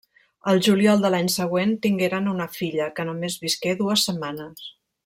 Al juliol de l'any següent tingueren una filla, que només visqué dues setmanes.